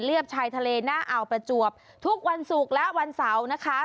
ชายทะเลหน้าอ่าวประจวบทุกวันศุกร์และวันเสาร์นะคะ